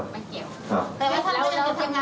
แต่ว่าท่านยังจะทำงานการเมืองต่อใช่ไหมครับ